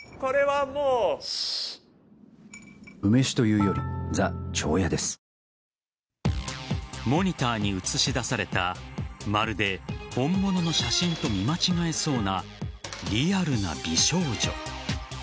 うまダブルなんでモニターに映し出されたまるで本物の写真と見間違えそうなリアルな美少女。